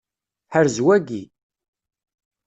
Ḥrez waki!